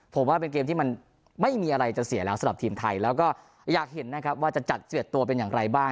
ผมว่าเป็นเกมที่มันไม่มีอะไรจะเสียแล้วสำหรับทีมไทยแล้วก็อยากเห็นนะครับว่าจะจัด๑๑ตัวเป็นอย่างไรบ้าง